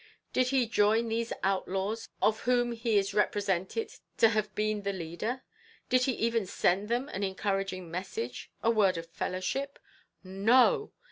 Did he join these outlaws of whom he is represented to have been the leader? Did he even send them an encouraging message a word of fellowship? No!